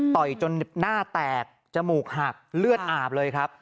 ต่อยจนหน้าแตกจมูกหักเลือดอาบเลยครับ